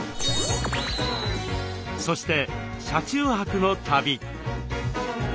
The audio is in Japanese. そして車中泊の旅。